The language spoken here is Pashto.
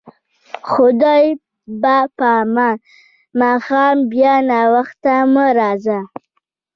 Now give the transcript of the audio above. خدای په امان، ماښام بیا ناوخته مه راځه.